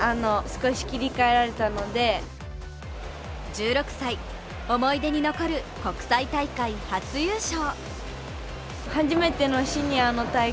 １６歳、思い出に残る国際大会初優勝。